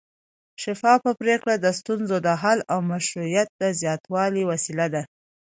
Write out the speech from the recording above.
شفافه پرېکړې د ستونزو د حل او مشروعیت د زیاتوالي وسیله دي